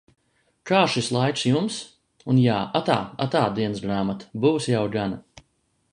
Kā šis laiks jums? Un jā - atā, atā, dienasgrāmata! Būs jau gana.